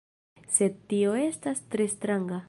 Sed tio estas tre stranga...